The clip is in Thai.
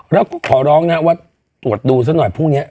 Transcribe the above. แล้วก็ขอร้องนะว่าตรวจดูซะหน่อยพรุ่งนี้